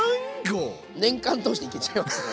年間通していけちゃいますね。